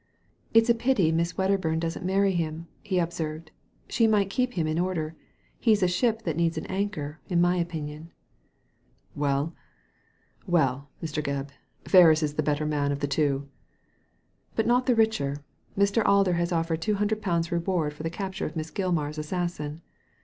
"It's a pity Miss Wedderbum doesn't marry him," he observed. "She might keep him in order. He's a ship that needs an anchor, in my opinion." " Well, well, Mr. Gebb, Ferris is the better man of the two." '* But not the richer. Mr. Alder has offered two hundred pounds reward for the capture of Miss Gil mar's assassin."